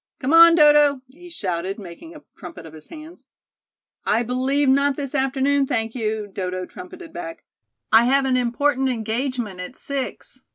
"Come on, Dodo," he shouted, making a trumpet of his hands. "I believe not this afternoon, thank you," Dodo trumpeted back. "I have an important engagement at six."